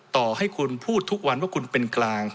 ต่อให้คุณพูดทุกวันว่าคุณเป็นกลาง